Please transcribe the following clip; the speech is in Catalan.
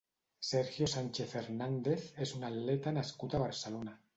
Sergio Sánchez Hernández és un atleta nascut a Barcelona.